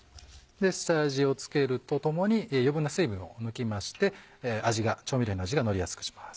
下味を付けるとともに余分な水分を抜きまして調味料の味がのりやすくします。